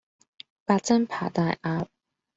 八珍扒大鴨